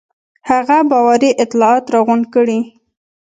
هغه باوري اطلاعات راغونډ کړي.